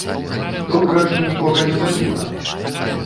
Добра, што нікога не забіла!